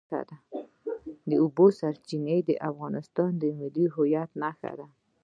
د اوبو سرچینې د افغانستان د ملي هویت نښه ده.